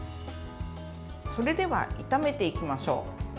それでは、炒めていきましょう。